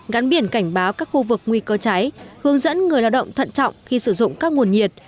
gắn biển cảnh báo các khu vực nguy cơ cháy hướng dẫn người lao động thận trọng khi sử dụng các nguồn nhiệt